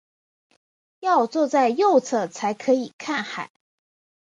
要坐在右侧才可以看海